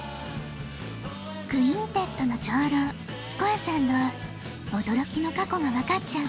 クインテットの長老スコアさんのおどろきのかこが分かっちゃう